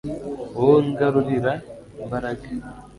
wowe ungarurira imbaraga